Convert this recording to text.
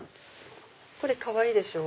これかわいいでしょ